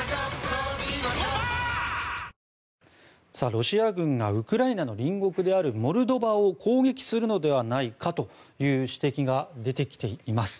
ロシア軍がウクライナの隣国であるモルドバを攻撃するのではないかという指摘が出てきています。